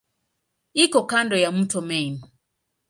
Iko kando ya mto Main.